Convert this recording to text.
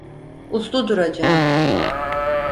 Uslu duracağım.